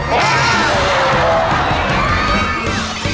โปรดติดตามตอนต่อไป